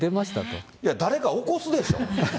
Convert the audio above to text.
いや、誰か起こすでしょ。